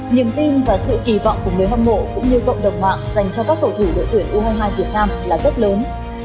niềm tin và sự kỳ vọng của người hâm mộ cũng như cộng đồng mạng dành cho các cầu thủ đội tuyển u hai mươi hai việt nam là rất lớn